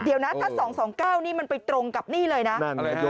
เดี๋ยวนะถ้า๒๒๙นี่มันไปตรงกับนี่เลยนะ